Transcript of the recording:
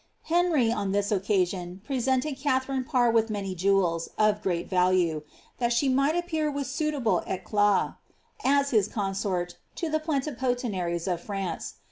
Henry, on this occasion, presented Katharine Parr with many jewels, of great value, that she might appear with suit able eclat^ as his consort, to the plenipotentiaries of France.